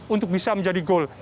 untuk bisa menjadi gol